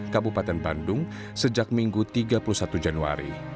kabupaten bandung sejak minggu tiga puluh satu januari